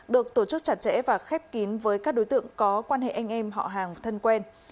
được tổ chức chặt chẽ và khép kín với các đối tượng có quan hệ anh em họ hàng thân quen